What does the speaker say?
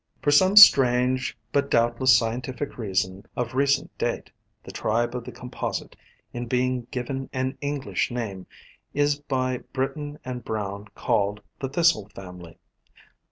For some strange, but doubtless scientific reason, of recent date, the tribe of the Composite, in being given an English name, is by Britton and Brown called the Thistle Family.